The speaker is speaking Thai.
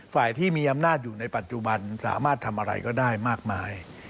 ฝ่ายที่มีอำนาจอยู่ในปัจจุบันสามารถทำอะไรก็ได้มากมาย